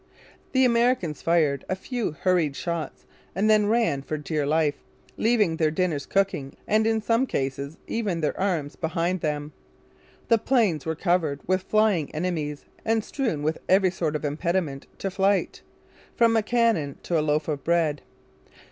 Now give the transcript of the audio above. The Americans fired a few hurried shots and then ran for dear life, leaving their dinners cooking, and, in some cases, even their arms behind them. The Plains were covered with flying enemies and strewn with every sort of impediment to flight, from a cannon to a loaf of bread.